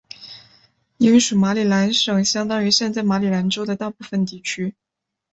英属马里兰省相当于现在马里兰州的大部分地区。